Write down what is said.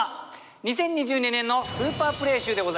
２０２２年のスーパープレー集でございます。